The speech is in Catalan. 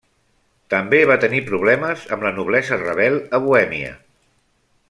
També va tenir problemes amb la noblesa rebel a Bohèmia.